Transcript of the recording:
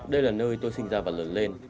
đây là nơi tôi sinh ra và lớn lên